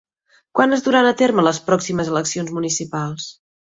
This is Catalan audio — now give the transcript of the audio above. Quan es duran a terme les pròximes eleccions municipals?